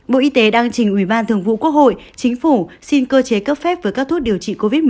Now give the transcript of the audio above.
bộ y tế đang trình ủy ban thường vụ quốc hội chính phủ xin cơ chế cấp phép với các thuốc điều trị covid một mươi chín